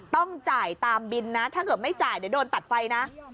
ต้องจ่ายตามบินนะถ้าเกิดไม่จ่ายเดี๋ยวโดนตัดไฟนะ